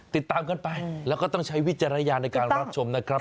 ติดตามกันไปแล้วก็ต้องใช้วิจารณญาณในการรับชมนะครับ